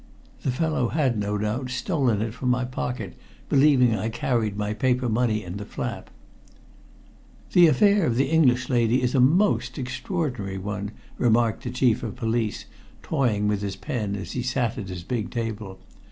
The fellow had, no doubt, stolen it from my pocket believing I carried my paper money in the flap. "The affair of the English lady is a most extraordinary one," remarked the Chief of Police, toying with his pen as he sat at his big table.